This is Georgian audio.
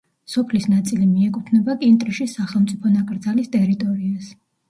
სოფლის ნაწილი მიეკუთვნება კინტრიშის სახელმწიფო ნაკრძალის ტერიტორიას.